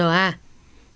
hoặc vaccine mrna